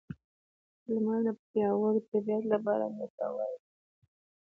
لمر د پیاوړې طبیعت لپاره ګټور دی.